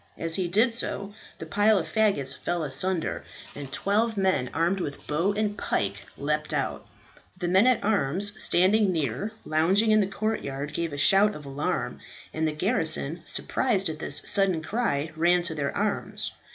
As he did so the pile of faggots fell asunder, and twelve men armed with bow and pike leaped out. The men at arms standing near, lounging in the courtyard, gave a shout of alarm, and the garrison, surprised at this sudden cry, ran to their arms.